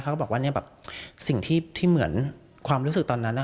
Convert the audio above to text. ก็บอกว่าเนี่ยแบบสิ่งที่เหมือนความรู้สึกตอนนั้น